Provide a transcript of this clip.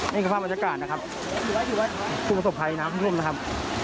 ไม่ได้ครับคุณสามครับ